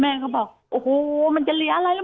เขาบอกโอ้โหมันจะเหลืออะไรแล้ว